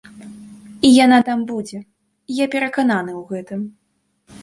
І яна там будзе, я перакананы ў гэтым.